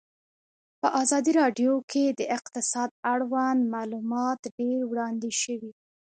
په ازادي راډیو کې د اقتصاد اړوند معلومات ډېر وړاندې شوي.